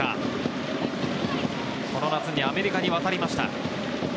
この夏にアメリカに渡りました。